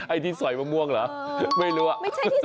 ไอ้ที่สอยมะม่วงเหรอไม่รู้อ่ะ